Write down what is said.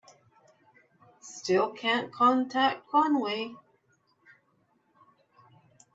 Still can't contact Conway.